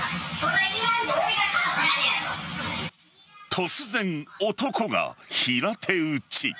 突然、男が平手打ち。